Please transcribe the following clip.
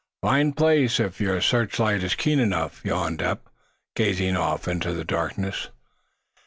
"Fine place, if your searchlight is keen enough," yawned Eph, gazing off into the darkness.